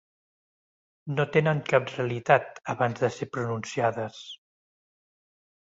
No tenen cap realitat abans de ser pronunciades.